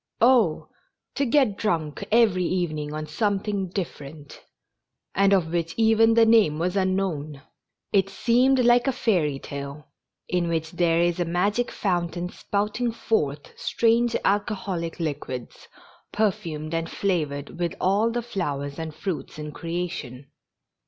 Oh ! to get drunk every evening on something dif ferent, and of which even the name was unknown ! It seemed like a fairy tale, in which there is a magic foun tain spouting forth strange alcoholic liquids, perfumed and flavored with all the flowers and fruits in creation.